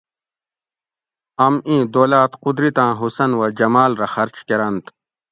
ام ایں دولاۤت قدرتاۤں حسن و جماۤل رہ خرچ کرنت